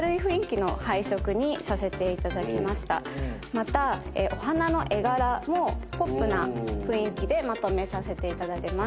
またお花の絵柄もポップな雰囲気でまとめさせていただいてます。